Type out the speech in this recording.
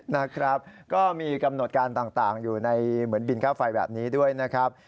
นะครับก็มีกำหนดการต่างอยู่ในเหมือนบินค่าไฟแบบนี้ด้วยนะครับ